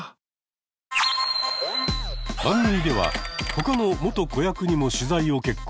番組では他の元子役にも取材を決行。